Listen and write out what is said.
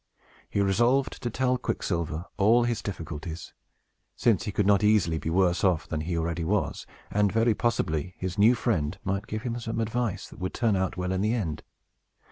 He resolved to tell Quicksilver all his difficulties, since he could not easily be worse off than he already was, and, very possibly, his new friend might give him some advice that would turn out well in the end.